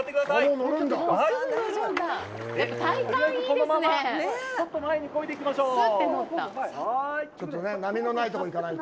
とりあえず、このままちょっと前にこいでいきましょう。